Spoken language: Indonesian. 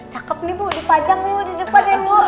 cakep nih bu dipajang bu di depan ya bu